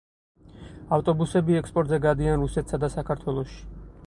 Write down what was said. ავტობუსები ექსპორტზე გადიან რუსეთსა და საქართველოში.